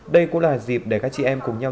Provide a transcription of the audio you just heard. đây cũng là dịp để các chị em cùng nhau